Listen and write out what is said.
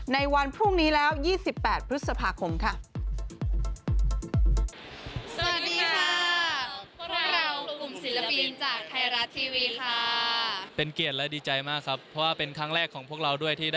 ในวันพรุ่งนี้แล้ว๒๘พฤษภาคมค่ะ